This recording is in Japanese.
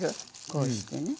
こうしてね。